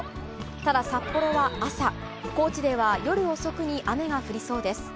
ただ、札幌は朝、高知では夜遅くに雨が降りそうです。